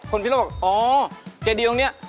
คนพิสุนโลกอ๋อเจดีองนี้